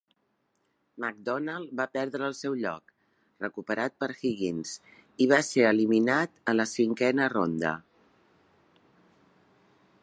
McDonald va perdre el seu lloc, recuperat per Higgins, i va ser eliminat a la cinquena ronda.